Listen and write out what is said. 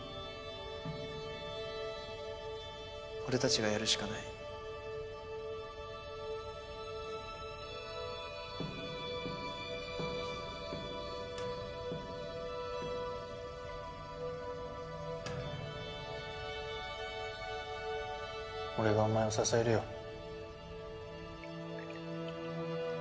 俺たちがやるしかない俺がお前を支えるよ